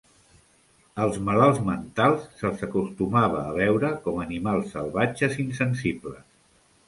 Als malalts mentals se'ls acostumava a veure com animals salvatges insensibles.